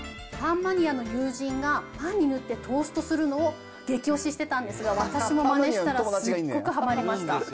パンマニアの友人がパンに塗ってトーストするのを激推ししてたんですが、私もまねしたら、すっごくはまりました。